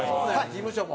事務所も？